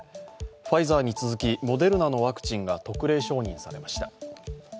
ファイザーに続きモデルナのワクチンが特例承認されました。